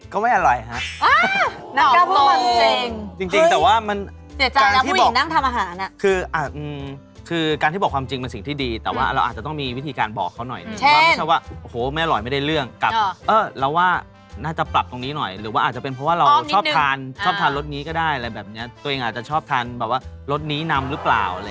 ก็ไม่อร่อยฮะจริงแต่ว่ามันการที่บอกความจริงเป็นสิ่งที่ดีแต่ว่าเราอาจจะต้องมีวิธีการบอกเขาหน่อยไม่ใช่ว่าไม่อร่อยไม่ได้เรื่องกับเราว่าน่าจะปรับตรงนี้หน่อยหรือว่าอาจจะเป็นเพราะว่าเราชอบทานรถนี้ก็ได้อะไรแบบนี้ตัวเองอาจจะชอบทานรถนี้นำหรือเปล่า